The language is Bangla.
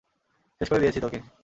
শেষ করে দিয়েছি তোকে!